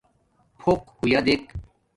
پھوق ہویا دیکھ